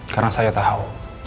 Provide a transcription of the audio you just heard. karena saya tahu